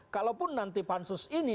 kalaupun nanti pansus ini